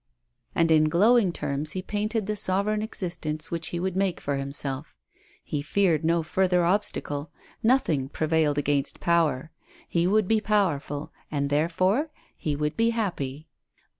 And in glowing terms he painted the sovereign existence which he would make for himself. He feared no further obstacle ; nothing prevailed against power. lie would be powerful, and therefore he would be happy.